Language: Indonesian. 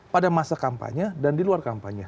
pada masa kampanye dan di luar kampanye